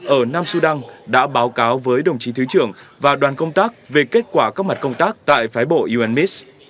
ở nam sudan đã báo cáo với đồng chí thứ trưởng và đoàn công tác về kết quả các mặt công tác tại phái bộ unmis